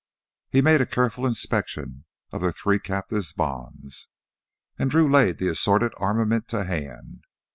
He made a careful inspection of their three captives' bonds, and Drew laid the assorted armament to hand.